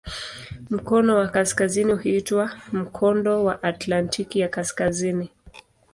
Mkono wa kaskazini huitwa "Mkondo wa Atlantiki ya Kaskazini".